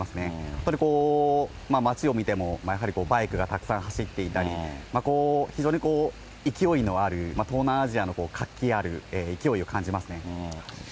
やっぱりこう、街を見ても、やはりバイクがたくさん走っていたり、非常に勢いのある東南アジアの活気ある勢いを感じますね。